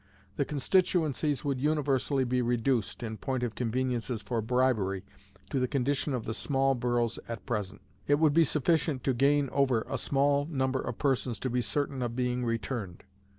The constituencies would universally be reduced, in point of conveniences for bribery, to the condition of the small boroughs at present. It would be sufficient to gain over a small number of persons to be certain of being returned.